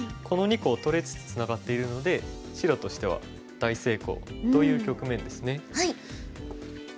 この２個を取れつつツナがっているので白としては大成功という局面ですね。